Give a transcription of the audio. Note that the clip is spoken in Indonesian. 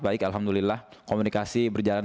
baik alhamdulillah komunikasi berjalan